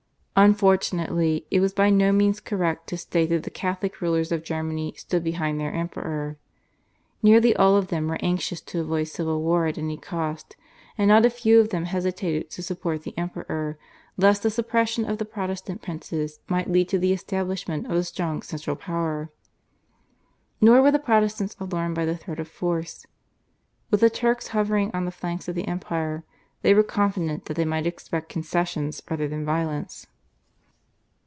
Unfortunately, it was by no means correct to state that the Catholic rulers of Germany stood behind their Emperor. Nearly all of them were anxious to avoid civil war at any cost, and not a few of them hesitated to support the Emperor lest the suppression of the Protestant princes might lead to the establishment of a strong central power. Nor were the Protestants alarmed by the threat of force. With the Turks hovering on the flanks of the empire, they were confident that they might expect concessions rather than violence.